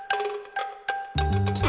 きた！